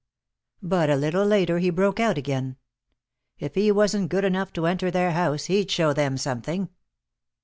But a little later he broke out again. If he wasn't good enough to enter their house, he'd show them something.